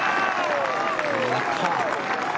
やったー！